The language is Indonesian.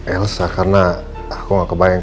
elsa karena aku gak kebayang